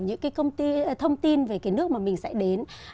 những thông tin về nước mà mình sẽ đến